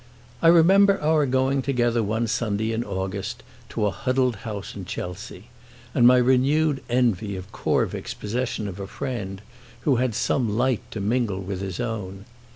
I remember our going together one Sunday in August to a huddled house in Chelsea, and my renewed envy of Corvick's possession of a friend who had some light to mingle with his own.